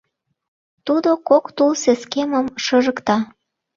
Тудо кок тул сескемым шыжыкта.